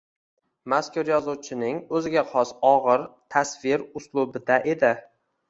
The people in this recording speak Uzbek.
Mazkur yozuvchining o’ziga xos og’ir tasvir uslubida edi.